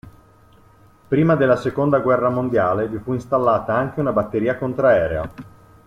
Prima della seconda guerra mondiale vi fu installata anche una batteria contraerea.